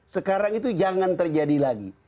sekarang itu jangan terjadi lagi